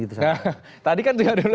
tadi kan juga dulu